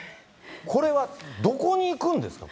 これは、どこに行くんですか？